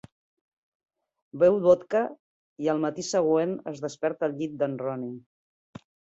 Beu vodka i al matí següent es desperta al llit d'en Ronnie.